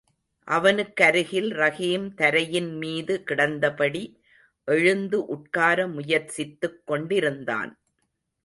அவனுக்கருகிலே ரஹீம் தரையின் மீது கிடந்தபடி எழுந்து உட்கார முயற்சித்துக் கொண்டிருந்தான்.